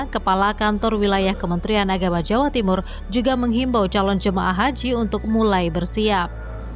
kepala kantor wilayah kementerian agama jawa timur juga menghimbau calon jemaah haji untuk mulai bersiap